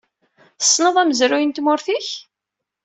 Tessneḍ amezruy n tmurt-ik?